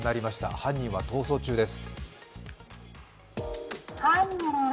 犯人は逃走中です。